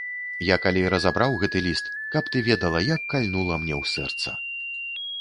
Я калі разабраў гэты ліст, каб ты ведала, як кальнула мяне ў сэрца.